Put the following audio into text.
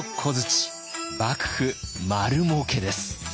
幕府丸もうけです。